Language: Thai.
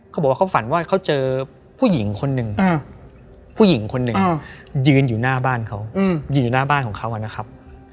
เขาบอกว่าเขาฝันว่าเขาเจอผู้หญิงคนหนึ่งผู้หญิงคนหนึ่งยืนอยู่หน้าบ้านเขายืนอยู่หน้าบ้านของเขานะครับ